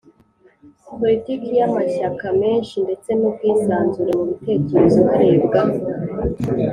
politiki y amashyaka menshi ndetse n ubwisanzure mu bitekerezo harebwa